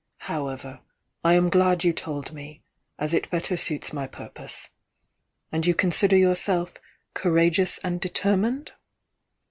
However, I am glad you told me, as it better suits my pur pose. And you consider yourself 'courageous and determined'?"